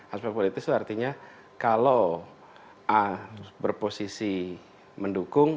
aspek politis itu artinya kalau a berposisi mendukung